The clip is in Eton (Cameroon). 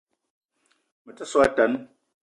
Me te so a tan